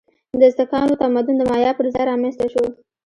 د ازتکانو تمدن د مایا پر ځای رامنځته شو.